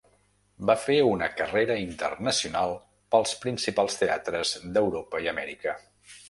Va fer una carrera internacional pels principals teatres d'Europa i Amèrica.